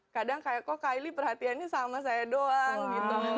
kadang kayak kok kyli perhatiannya sama saya doang gitu